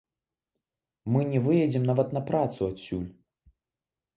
Мы не выедзем нават на працу адсюль.